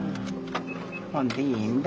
ほんでいいんだ。